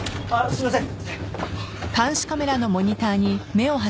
すいません。